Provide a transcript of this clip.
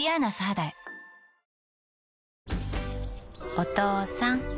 お父さん。